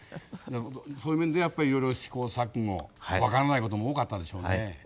そういう面でやっぱりいろいろ試行錯誤分からないことも多かったでしょうね。